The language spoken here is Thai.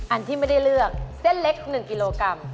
อันที่ไม่ได้เลือกเส้นเล็ก๑กิโลกรัม